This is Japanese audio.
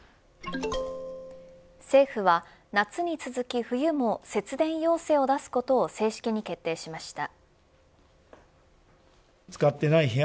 政府は、夏に続き冬も節電要請を出すことを正式に決定しました。